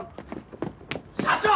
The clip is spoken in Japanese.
社長！